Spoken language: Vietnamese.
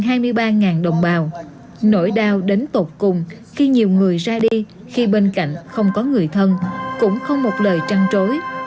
hơn hai mươi ba đồng bào nỗi đau đến tột cùng khi nhiều người ra đi khi bên cạnh không có người thân cũng không một lời trăn trối